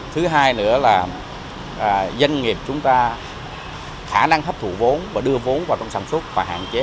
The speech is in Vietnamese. thứ hai nữa là doanh nghiệp chúng ta khả năng hấp thụ vốn và đưa vốn vào trong sản xuất và hạn chế